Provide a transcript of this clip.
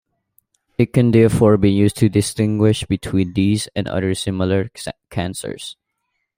It can therefore be used to distinguish between these and other similar cancers.